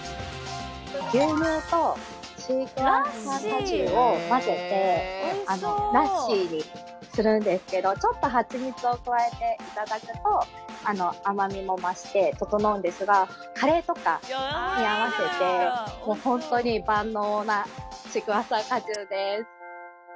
牛乳とシークヮーサー果汁を混ぜてラッシーにするんですけどちょっとハチミツを加えていただくと甘味も増して整うんですがカレーとかに合わせてもう本当に万能なシークヮーサー果汁です。